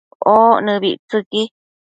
oc nëbictsëqui